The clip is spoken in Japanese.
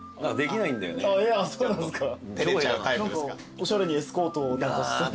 おしゃれにエスコートとか。